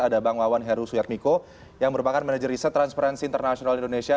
ada bang wawan heru suyakmiko yang merupakan manager research transparency international indonesia